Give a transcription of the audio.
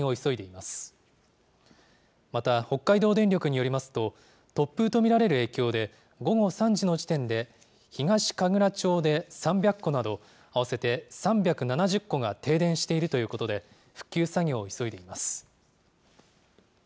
また、北海道電力によりますと、突風と見られる影響で、午後３時の時点で、東神楽町で３００戸など、合わせて３７０戸が停電しているということで、復旧作業を急いでいます。